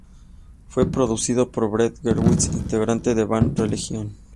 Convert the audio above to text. Fue producido por Brett Gurewitz, integrante de Bad Religion.